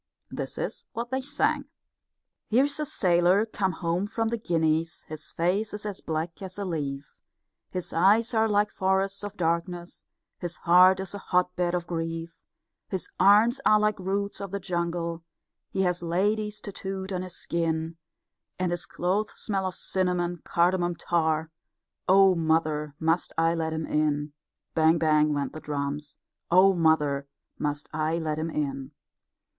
This is what they sang: Here's a sailor come home from the Guineas, His face is as black as a leaf, His eyes are like forests of darkness, His heart is a hotbed of grief, His arms are like roots of the jungle, He has ladies tattooed on his skin, And his clothes smell of cinnamon cardamom tar. Oh, mother, must I let him in? Bang! Bang! [went the drums], Oh, mother, must I let him in?